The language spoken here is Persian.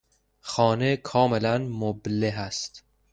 خانه کاملا مبله است.